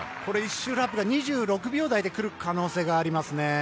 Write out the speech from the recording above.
１周ラップが２６秒台で来る可能性がありますね。